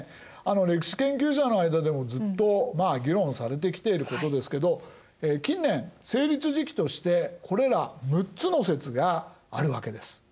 歴史研究者の間でもずっと議論されてきていることですけど近年成立時期としてこれら６つの説があるわけです。